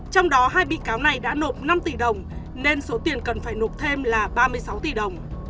trong đó hai bị cáo này đã nộp năm tỷ đồng nên số tiền cần phải nộp thêm là ba mươi sáu tỷ đồng